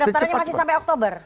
pedaftarannya masih sampai oktober